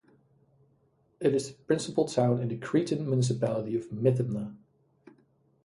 It is the principal town in the Cretan municipality of Mythimna.